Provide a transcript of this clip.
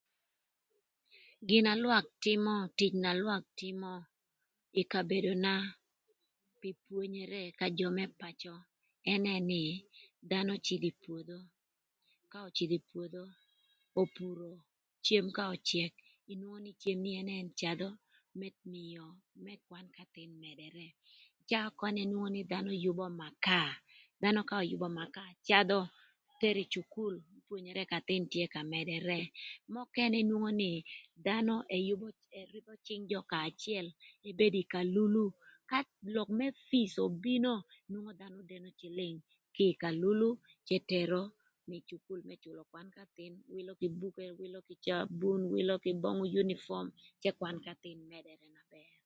Gin na lwak tïmö, tic na lwak tïmö ï kabedona pï pwonyere ka jö më pacö ënë nï dhanö öcïdhï ï pwodho ka öcïdhö ï pwodho opuro cem ka öcëk, inwongo ni cem ni ënë ëcadhö caa ökënë nwongo dhanö yübö maka, dhanö ka öyübö maka cadhö tero ï cukul pwonyere k'athïn tye ka mëdërë nökënë inwongo nï dhanö ëyünö ërïbö cïng jö kanya acël ebedo ï kalulu ka lok më pic obino nwongo dhano deno cïlïng kï ï kalulu cë tero ï cukul më cülö kwan k'athïn wïlö cabun wïlö kï böngü yunipom cë kwan k'athïn mëdërë.